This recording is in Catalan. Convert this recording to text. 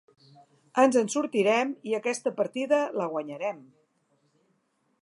Ens en sortirem, i aquesta partida la guanyarem.